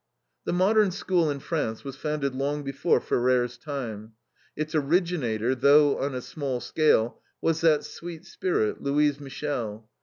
The Modern School in France was founded long before Ferrer's time. Its originator, though on a small scale, was that sweet spirit, Louise Michel.